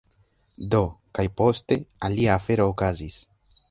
Do, kaj poste, alia afero okazis: